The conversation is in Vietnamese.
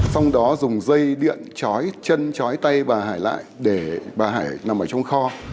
xong đó dùng dây điện trói chân trói tay bà hải lại để bà hải nằm trong kho